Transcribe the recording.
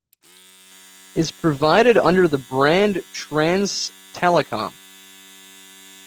Is provided under the brand Transtelecom.